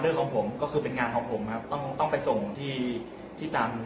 แล้วก็พอเล่ากับเขาก็คอยจับอย่างนี้ครับ